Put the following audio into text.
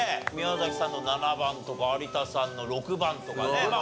宮崎さんの７番とか有田さんの６番とかね。